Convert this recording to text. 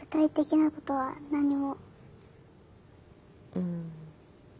うん。